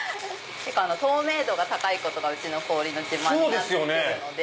透明度が高いことがうちの氷の自慢になってるので。